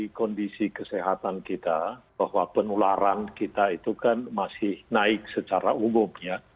kondisi kesehatan kita bahwa penularan kita itu kan masih naik secara umum ya